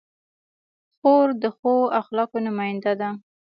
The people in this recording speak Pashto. خور د ښو اخلاقو نماینده ده.